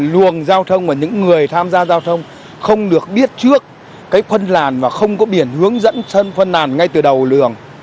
luồng giao thông và những người tham gia giao thông không được biết trước cái phân làn mà không có biển hướng dẫn phân làn ngay từ đầu luồng